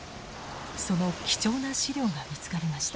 その貴重な資料が見つかりました。